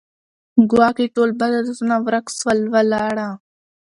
ګواکي ټول بد عادتونه ورک سول ولاړه